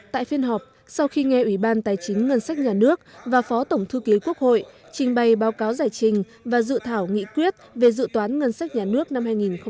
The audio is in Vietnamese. tại phiên họp sau khi nghe ủy ban tài chính ngân sách nhà nước và phó tổng thư ký quốc hội trình bày báo cáo giải trình và dự thảo nghị quyết về dự toán ngân sách nhà nước năm hai nghìn một mươi chín